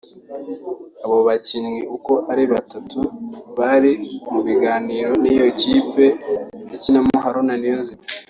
Aba bakinnyi uko ari batatu bari mu biganiro n’iyo kipe ikinamo Haruna Niyonzima